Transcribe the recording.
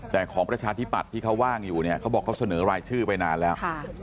แต่ของประชาธิปัตย์ที่เขาว่างอยู่เนี่ยเขาบอกเขาเสนอรายชื่อไปนานแล้ว